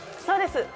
そうです。